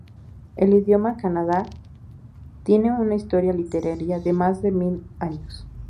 El idioma kannada tiene una historia literaria de más de mil años.